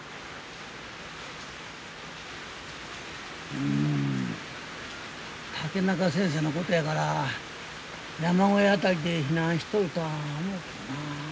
うん竹中先生のことやから山小屋辺りで避難しとるとは思うけどな。